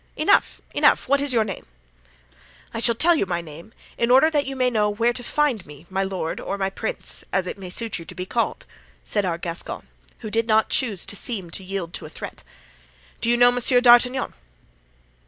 "Enough! enough! what is your name?" "I shall tell you my name in order that you may know where to find me, my lord, or my prince, as it may suit you best to be called," said our Gascon, who did not choose to seem to yield to a threat. "Do you know Monsieur d'Artagnan?"